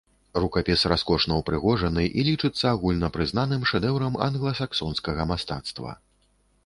Рукапіс раскошна ўпрыгожаны і лічыцца агульнапрызнаным шэдэўрам англасаксонскага мастацтва.